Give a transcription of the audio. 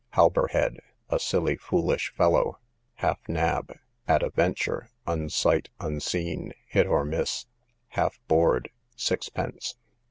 Halberhead, a silly foolish fellow. Half nab, at a venture, unsight, unseen, hit or miss. Half borde sixpence.